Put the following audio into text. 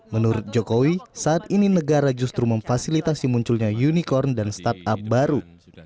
menurut jokowi saat ini negara justru memfasilitasi munculnya unicorn dan startup baru